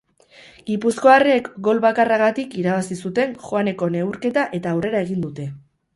Gipuzkoarrek gol bakarragatik irabazi zuten joaneko neurketa eta aurrera egin dute.